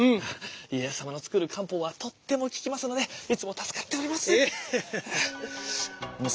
家康様の作る漢方はとっても効きますのでいつも助かっております。